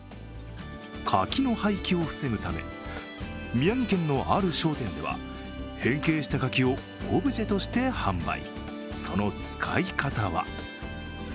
柿の廃棄を防ぐため、宮城県のある商店では変形した柿をオブジェとして販売。